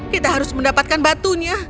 kita harus mendapatkan batunya